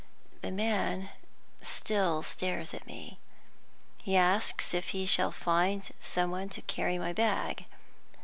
The man still stares at me. He asks if he shall find some one to carry my bag.